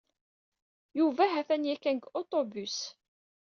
Yuba ha-t-an yakan deg uṭubus.